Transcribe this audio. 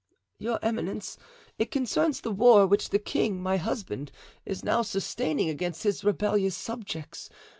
"Your eminence, it concerns the war which the king, my husband, is now sustaining against his rebellious subjects.